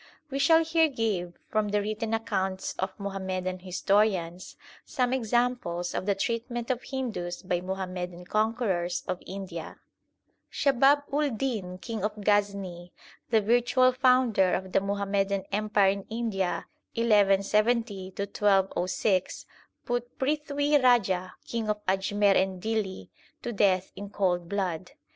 We shall here give, from the written accounts of Muham madan historians, some examples of the treatment of Hindus by Muhammadan conquerors of India. Shahab uP Din, King of Ghazni, the virtual founder of the Muhammadan Empire in India (1170 1206), put Prithwi Raja, King of Ajmer and Dihli, to death in cold blood.